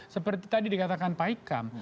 seperti tadi dikatakan pak hikam